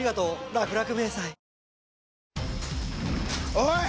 おい！